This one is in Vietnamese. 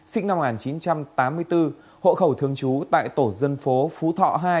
sinh năm một nghìn chín trăm tám mươi bốn hộ khẩu thường trú tại tổ dân phố phú thọ hai